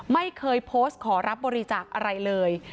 ไม่เคยโพสต์ขอรับบริจาคอะไรเลย